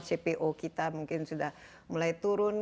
cpo kita mungkin sudah mulai turun